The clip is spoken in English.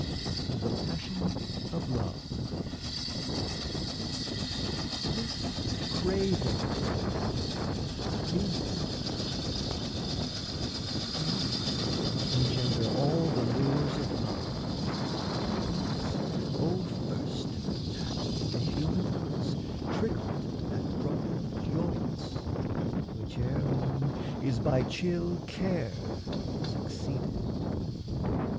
THE PASSION OF LOVE This craving 'tis that's Venus unto us: From this, engender all the lures of love, From this, O first hath into human hearts Trickled that drop of joyance which ere long Is by chill care succeeded.